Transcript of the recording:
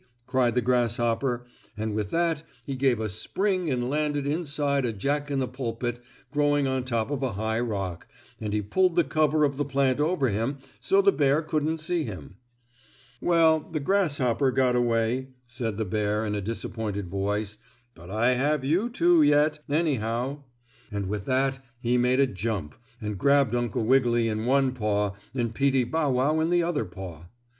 cried the grasshopper and with that he gave a spring and landed inside of a Jack in the Pulpit growing on top of a high rock, and he pulled the cover of the plant over him so the bear couldn't see him. "Well, the grasshopper got away," said the bear in a disappointed voice, "but I have you two yet, anyhow," and with that he made a jump, and grabbed Uncle Wiggily in one paw and Peetie Bow Wow in the other paw.